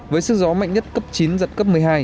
với sức gió mạnh nhất cấp chín giật cấp một mươi hai